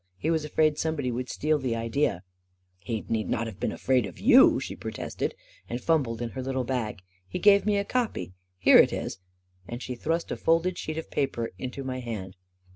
He was afraid somebody would steal the idea." " He need not have been afraid of you 1 " she pro tested, and fumbled in her little bag. " He gave me a copy — here it is," and she thrust a folded sheet of paper into my hand.